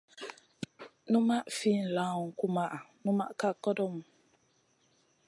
Numaʼ fi lawn kumaʼa numa ka kodomu.